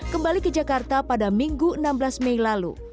kembali ke jakarta pada minggu enam belas mei lalu